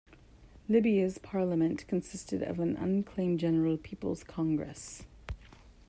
Libya's parliament consisted of a unicameral General People's Congress.